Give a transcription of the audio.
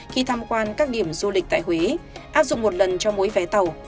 khi tham quan các điểm du lịch tại huế áp dụng một lần cho mỗi vé tàu